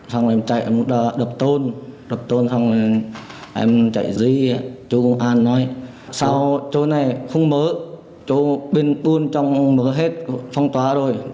xong em chạy một đợt đập tôn đập tôn xong em chạy dưới chỗ công an nói sao chỗ này không mở chỗ bên tuôn trong mưa hết phong tỏa rồi